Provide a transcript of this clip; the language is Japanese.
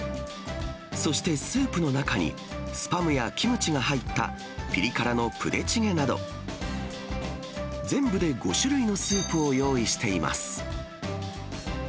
そして、スープの中にスパムやキムチが入ったピリ辛のプデチゲなど、全部で５種類のスープを用意しています。